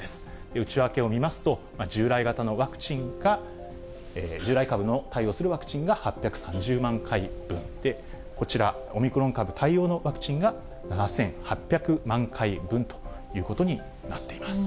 内訳を見ますと、従来型のワクチンが、従来株の対応するワクチンが８３０万回分で、こちら、オミクロン株対応のワクチンが７８００万回分ということになっています。